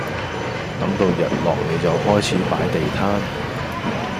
等到日落你就開始擺地攤